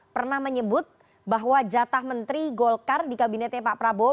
pernah menyebut bahwa jatah menteri golkar di kabinetnya pak prabowo